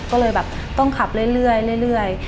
ก็เลยแบบต้องขับเรื่อย